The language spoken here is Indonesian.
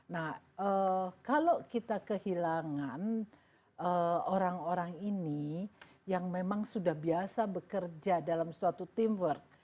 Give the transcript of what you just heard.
nah kalau kita kehilangan orang orang ini yang memang sudah biasa bekerja dalam suatu teamwork